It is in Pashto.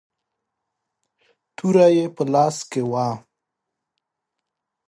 توره يې په لاس کې وه.